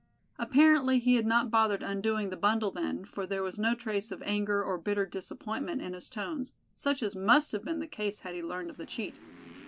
Apparently he had not bothered undoing the bundle then, for there was no trace of anger or bitter disappointment in his tones, such as must have been the case had he learned of the cheat.